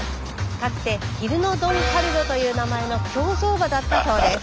かつてヒルノドンカルロという名前の競走馬だったそうです。